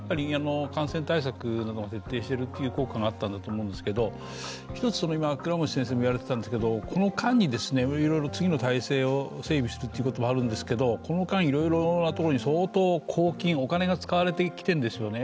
感染対策が徹底しているという効果があったんだと思いますけど１つ、倉持先生も言われてたんですが、この間に次の体制を整備するということもあるんですけれども、相当、公金、お金が使われているんですよね。